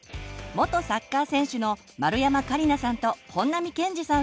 元サッカー選手の丸山桂里奈さんと本並健治さん